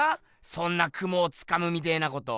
そんな雲をつかむみてえなこと。